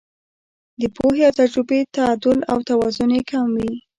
د پوهې او تجربې تعدل او توازن یې کم وي.